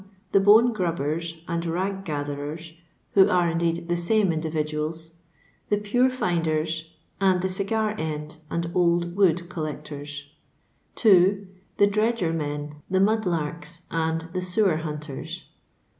The bone gmbben and rag gatheren, who are^ indeed, the same indiTidoals, the pure finden^ and the cigar end and old wood oollecton. 2. The dredgeODen, the mud larkj, and the lewer hontert.